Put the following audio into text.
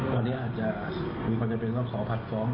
ตอนนี้อาจจะมีความจำเป็นต้องขอผัดฟ้อง